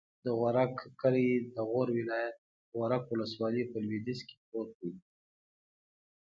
د غورک کلی د غور ولایت، غورک ولسوالي په لویدیځ کې پروت دی.